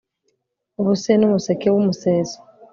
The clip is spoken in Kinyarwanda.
buse n'umuseke w'umuseso